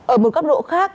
ở một góc độ khác